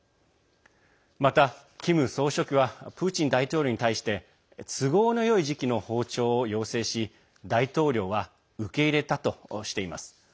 また、キム総書記はプーチン大統領に対して都合のよい時期の訪朝を要請し大統領は受け入れたとしています。